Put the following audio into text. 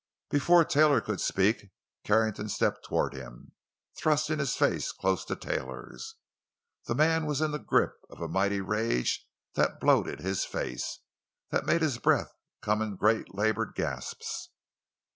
Before Taylor could speak, Carrington stepped toward him, thrusting his face close to Taylor's. The man was in the grip of a mighty rage that bloated his face, that made his breath come in great labored gasps.